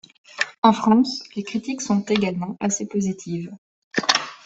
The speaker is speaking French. En France, les critiques sont également assez positives.